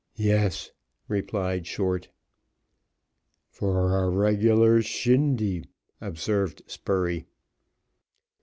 "Yes," replied Short. "For a regular shindy," observed Spurey.